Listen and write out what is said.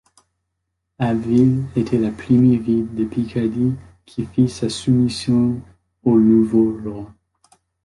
Abbeville était la première ville de Picardie qui fit sa soumission au nouveau roi.